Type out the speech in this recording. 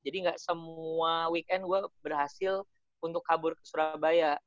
jadi enggak semua weekend gue berhasil untuk kabur ke surabaya